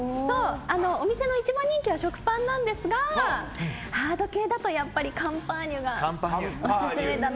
お店の一番人気は食パンなんですがハード系だとカンパーニュがオススメです。